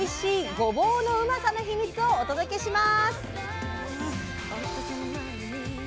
ごぼうのうまさの秘密をお届けします！